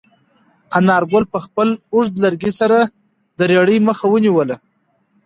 انارګل په خپل اوږد لرګي سره د رېړې مخه ونیوله.